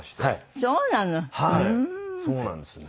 そうなんですね。